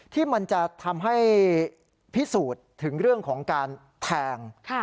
ที่มันจะทำให้พิสูจน์ถึงเรื่องของการแทง